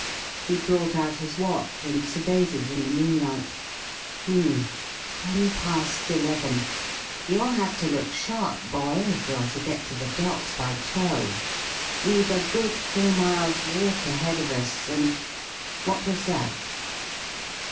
He brought out his watch and surveyed it in the moonlight. "H'm. Ten past eleven. You'll have to look sharp, boy, if you're to get to the docks by twelve. We've a good four miles' walk ahead of us, and what was that?"